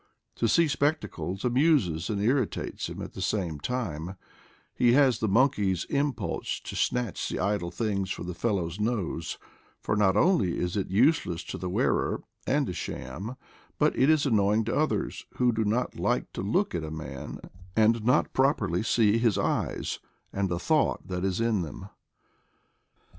To see spe<£ tacles amuses and irritates him at the same time ; he has the monkey's impulse to snatch the idle things from his fellow's nose; for not only is it useless to the wearer, and a sham, but it is an noying to others, who do not like to look at a man and not properly see his eyes, and the thought that is in them.